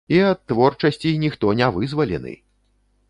І ад творчасці ніхто не вызвалены!